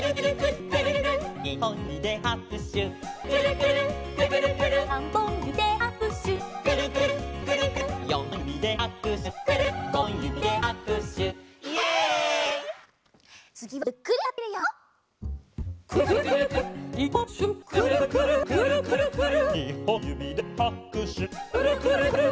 「くるくるくるっくるくるくるっ」「くるくるくるっくるくるくるっ」